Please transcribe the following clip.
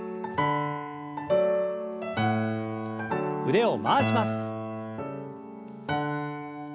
腕を回します。